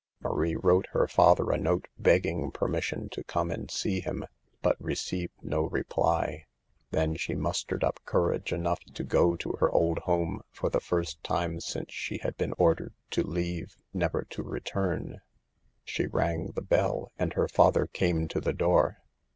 Marie wrote her father a note begging per mission to come and see him, but received no reply. Then she mustered up courage enough to go to her old home for the first time since she had been ordered to leave, never to return. THE EVILS OP DANCING. 83 She rang the bell, and her father came to the door.